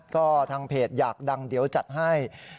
ก็ทางเพจอยากดังเดี๋ยวจัดให้